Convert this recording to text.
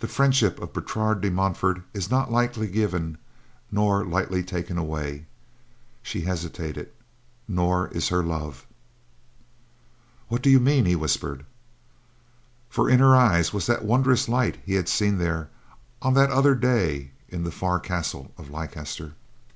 "The friendship of Bertrade de Montfort is not lightly given nor lightly taken away," she hesitated, "nor is her love." "What do you mean?" he whispered. For in her eyes was that wondrous light he had seen there on that other day in the far castle of Leicester.